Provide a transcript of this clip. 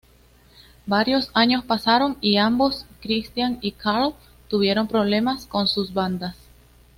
Varios años pasaron y ambos Christian y Carl tuvieron problemas con sus bandas.